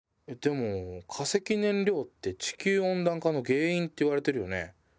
でも化石燃料って地球温暖化の原因っていわれてるよね。